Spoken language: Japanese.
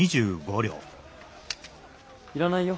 いらないよ。